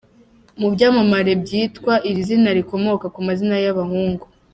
Mu byamamare byitwa iri zina rikomoka ku mazina y’abahungu